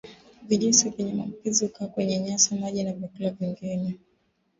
Vijusi vyenye maambukizi hukaa kwenye nyasi maji na vyakula vingine